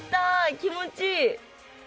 気持ちいい。